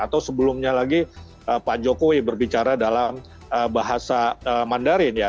atau sebelumnya lagi pak jokowi berbicara dalam bahasa mandarin ya